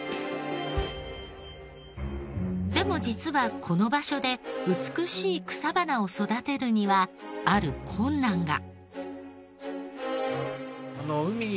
でも実はこの場所で美しい草花を育てるにはある困難が。